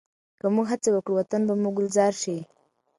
که موږ هڅه وکړو، وطن به مو ګلزار شي.